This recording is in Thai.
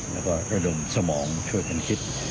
แล้วก็ระดมสมองช่วยกันคิด